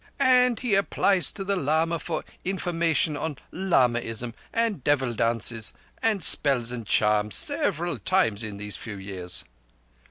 "And he applies to the lama for information on lamaism, and devil dances, and spells and charms, several times in these few years.